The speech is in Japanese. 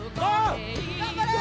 頑張れ！